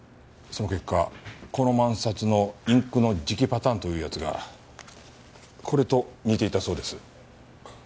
その結果この万札のインクの磁気パターンというやつがこれと似ていたそうです。